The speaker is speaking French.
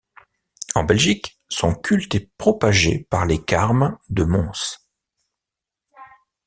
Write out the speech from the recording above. En Belgique, son culte est propagé par les carmes de Mons.